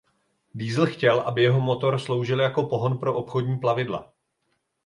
Diesel chtěl aby jeho motor sloužil jako pohon pro obchodní plavidla.